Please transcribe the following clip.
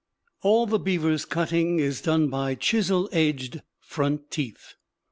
All the beaver's cutting is done by chisel edged front teeth.